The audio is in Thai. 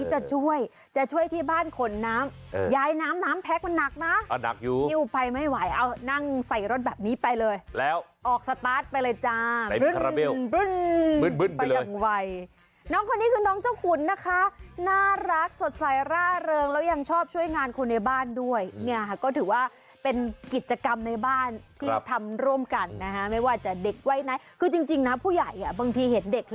ผัวนี่สั่งเลยค่ะสั่งคุณยายบอกให้เลิกเดี๋ยวนี้